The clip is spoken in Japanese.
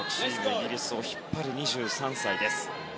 イギリスを引っ張る２３歳です。